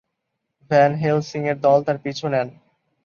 Van হেলসিং-এর দল তার পিছু নেন।